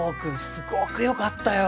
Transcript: すごく良かったよ。